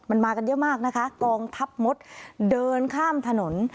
มันมากันเยอะมากนะคะกองทัพมดเดินข้ามถนน